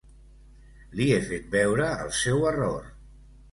Li he fet veure el seu error.